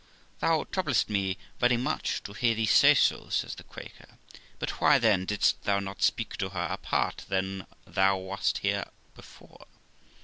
'Thou troubles! me very much to hear thee say so', says the Quaker; 'but why, then, didst thou not speak to her apart when thou wast here before